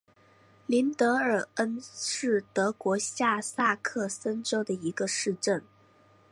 林德尔恩是德国下萨克森州的一个市镇。